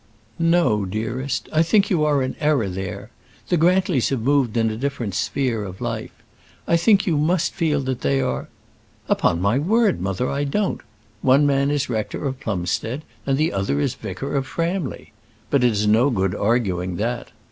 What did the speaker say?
"No, dearest. I think you are in error there. The Grantlys have moved in a different sphere of life. I think you must feel that they are " "Upon my word, mother, I don't. One man is Rector of Plumstead, and the other is Vicar of Framley. But it is no good arguing that.